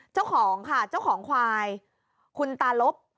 เจ้าของค่ะเจ้าของควายคุณตาลบ